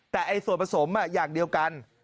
แต่ส่วนผสมอย่างเดียวกัน